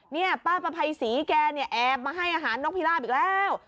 นี่ป้าประภัยศรีแกเนี่ยแอบมาให้อาหารนกพิราบอีกแล้ว